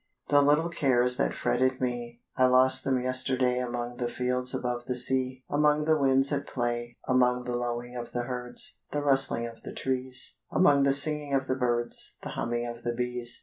The little cares that fretted me, I lost them yesterday Among the fields above the sea, Among the winds at play; Among the lowing of the herds, The rustling of the trees, Among the singing of the birds, The humming of the bees.